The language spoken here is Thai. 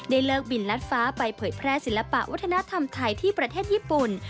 เลิกบินลัดฟ้าไปเผยแพร่ศิลปะวัฒนธรรมไทยที่ประเทศญี่ปุ่น